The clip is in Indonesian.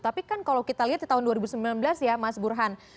tapi kan kalau kita lihat di tahun dua ribu sembilan belas ya mas burhan